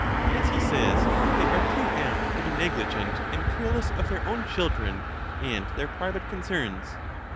As he says, they are too apt to be negligent and careless of their own chil dren and their private concerns.